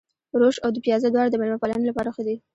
روش او دوپيازه دواړه د مېلمه پالنې لپاره ښه دي.